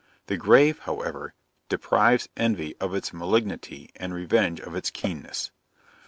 The grave, however, deprives envy of its malignity, and revenge of its keenness.